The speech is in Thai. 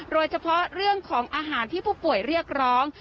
โดยเฉพาะเรื่องของอาหารที่ผู้ป่วยเรียกร้อง